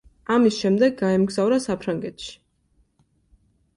ამის შემდეგ გაემგზავრა საფრანგეთში.